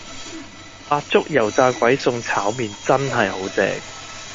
白粥油炸鬼送炒麵真係好正